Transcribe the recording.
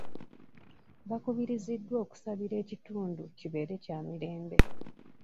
Bakubiriziddwa okusabira ekitundu kibeere kya mirembe.